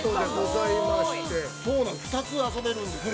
◆２つ遊べるんですね。